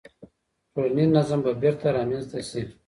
ټولنیز نظم به بیرته رامنځته سي.